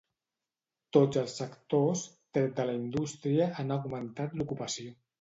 Tots els sectors, tret de la indústria, han augmentat l'ocupació.